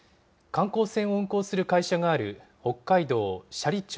観光船を運航する会社がある北海道斜里町